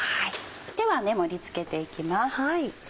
では盛り付けていきます。